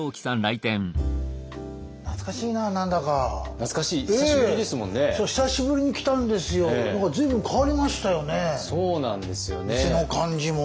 店の感じも。